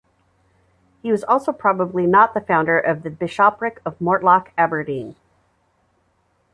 He was also probably not the founder of the Bishopric of Mortlach-Aberdeen.